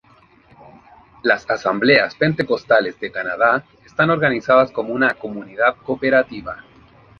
Las Asambleas Pentecostales de Canadá están organizadas como una "comunidad cooperativa".